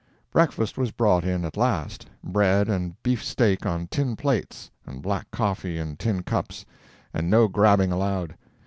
Breakfast was brought in at last bread and beefsteak on tin plates, and black coffee in tin cups, and no grabbing allowed.